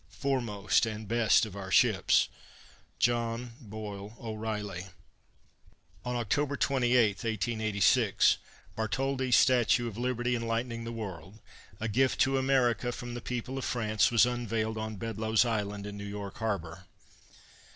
Foremost and best of our ships! JOHN BOYLE O'REILLY. On October 28, 1886, Bartholdi's statue of Liberty Enlightening the World, a gift to America from the people of France, was unveiled on Bedloe's Island, in New York Harbor.